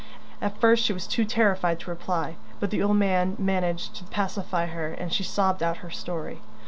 At first, she was too terrified to reply, but the old man managed to pacify her and she sobbed out her story.